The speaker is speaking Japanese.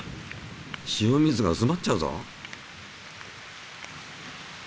塩水がうすまっちゃうぞ。